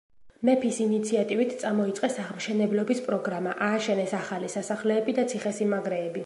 მეფის ინიციატივით წამოიწყეს აღმშენებლობის პროგრამა, ააშენეს ახალი სასახლეები და ციხესიმაგრეები.